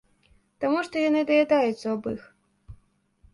Таму што яны даядаюць слабых.